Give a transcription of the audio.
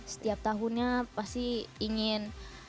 setiap tahunnya pasti ingin